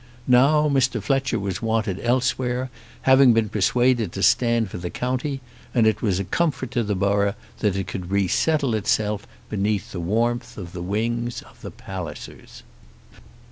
Now Mr. Fletcher was wanted elsewhere, having been persuaded to stand for the county, and it was a comfort to the borough that it could resettle itself beneath the warmth of the wings of the Pallisers.